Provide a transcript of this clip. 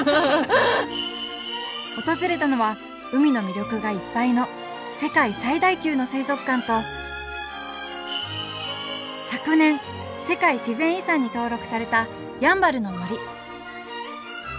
訪れたのは海の魅力がいっぱいの世界最大級の水族館と昨年世界自然遺産に登録されたやんばるの森。